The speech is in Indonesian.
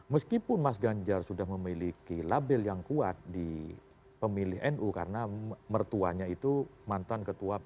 meskipun mas ganjar sudah memiliki label yang kuat di pemilih nu karena mertuanya itu mantan ketua